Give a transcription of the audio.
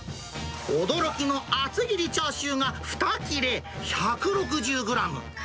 驚きの厚切りチャーシューが２切れ１６０グラム。